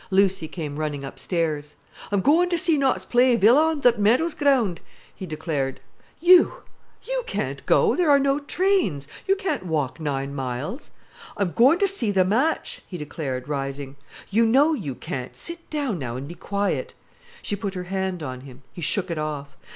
Lucy came running upstairs. "I'm goin' ter see Notts play Villa on th' Meadows ground," he declared. "You—you can't go. There are no trains. You can't walk nine miles." "I'm goin' ter see th' match," he declared, rising. "You know you can't. Sit down now an' be quiet." She put her hand on him. He shook it off.